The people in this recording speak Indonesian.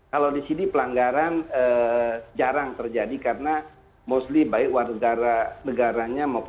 kalau di sini pelanggaran jarang terjadi karena mostly baik warga negaranya